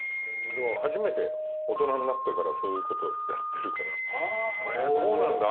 初めて大人になってからそういうことやってるからこうなんだあ